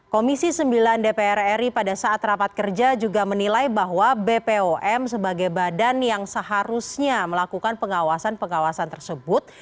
komisi sembilan dpr ri pada saat rapat kerja juga menilai bahwa bpom sebagai badan yang seharusnya melakukan pengawasan pengawasan tersebut